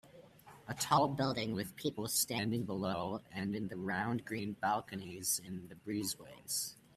A tall building with people standing below and in the round green balconies in the breezeways.